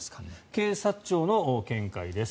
警察庁の見解です。